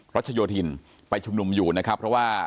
รัชโยธินไปชุมนุมอยู่นะครับเพราะว่า